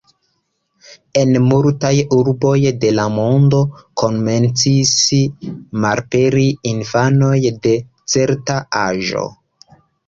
En multaj urboj de la mondo komencis malaperi infanoj de certa aĝo.